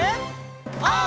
オー！